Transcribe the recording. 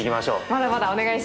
まだまだお願いします。